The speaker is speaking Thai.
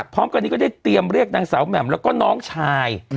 พร้อมกันนี้ก็ได้เตรียมเรียกนางสาวแหม่มแล้วก็น้องชาย